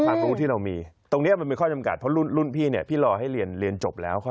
ก็ความรู้ที่เรามีตรงนี้มันเป็นข้อพิมพ์การเพราะรุ่นพี่เนี่ยพี่รอให้เรียนจบแล้ว